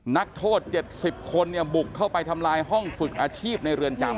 นักโทษเจ็ดสิบคนเนี้ยบุกเข้าไปทำลายห้องฝึกอาชีพในเรือนจำ